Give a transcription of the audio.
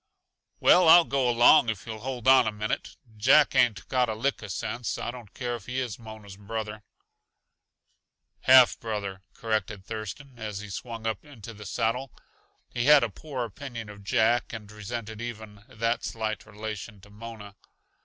"Well, I'll go along, if you'll hold on a minute. Jack ain't got a lick uh sense. I don't care if he is Mona's brother." "Half brother," corrected Thurston, as he swung up into the saddle. He had a poor opinion of Jack and resented even that slight relation to Mona.